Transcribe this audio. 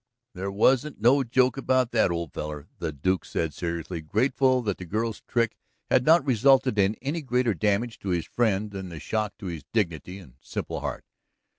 "There wasn't no joke about that, old feller," the Duke said seriously, grateful that the girl's trick had not resulted in any greater damage to his friend than the shock to his dignity and simple heart.